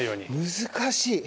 難しい！